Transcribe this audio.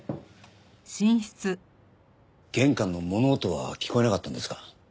玄関の物音は聞こえなかったんですか？